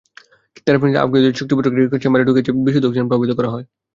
Therapy নিতে আগ্রহীদের চাপযুক্ত একটি চেম্বারে ঢুকিয়ে বিশুদ্ধ অক্সিজেন প্রবাহিত করা হয়।